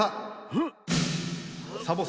うん。